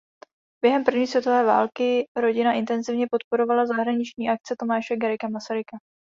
Během první světové války rodina intenzivně podporovala zahraniční akce Tomáše Garrigue Masaryka.